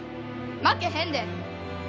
負けへんで！